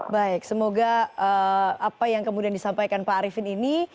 baik semoga apa yang kemudian disampaikan pak arifin ini